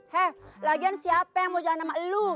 he lagian siapa yang mau jalan sama lu